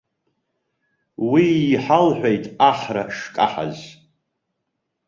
Уи иҳалҳәеит аҳра шкаҳаз.